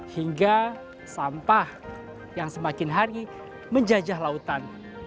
hingga sampah yang semakin hari menjajah lautan